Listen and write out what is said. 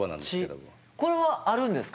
これはあるんですか？